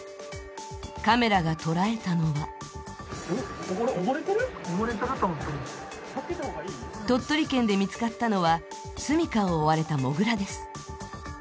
カメラが捉えたのは鳥取県で見つかったのは、すみかを追われたもぐらです。